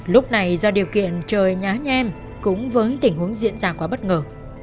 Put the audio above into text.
lúc này do điều kiện trời nhá nhem cũng với tình huống diễn ra quá bất ngờ